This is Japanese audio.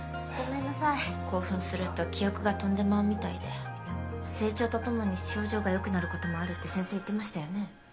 興奮すると記憶が飛んでまうみたいで成長とともに症状がよくなることもあるって先生言ってましたよね？